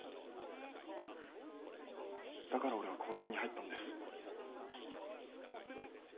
だから俺は公取に入ったんです。